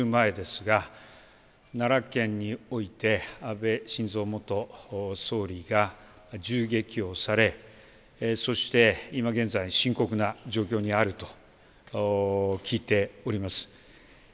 まず本日午前中昼前ですが奈良県において安倍晋三元総理が銃撃をされそして、今現在深刻な状況にあると聞いております。